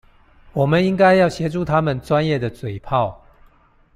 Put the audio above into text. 我們應該要協助他們專業的嘴砲